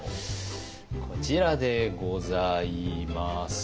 こちらでございます。